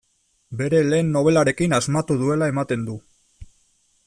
Bere lehen nobelarekin asmatu duela ematen du.